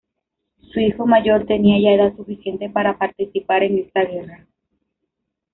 Su hijo mayor tenía ya edad suficiente para participar en esta guerra.